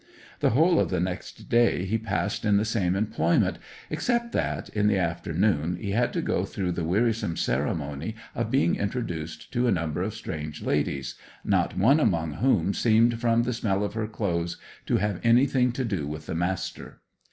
The whole of the next day he passed in the same employment, except that, in the afternoon, he had to go through the wearisome ceremony of being introduced to a number of strange ladies, not one among whom seemed from the smell of her clothes to have anything to do with the Master.